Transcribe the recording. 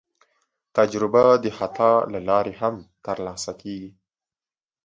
تجربه د خطا له لارې هم ترلاسه کېږي.